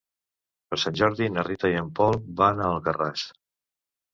Per Sant Jordi na Rita i en Pol van a Alcarràs.